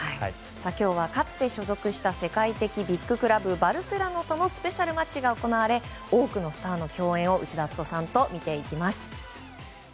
今日はかつて所属した世界的ビッグクラブバルセロナとのスペシャルマッチが行われ多くのスターの共演を内田篤人さんと見ていきます。